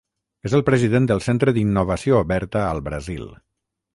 És el president del Centre d'Innovació Oberta al Brasil.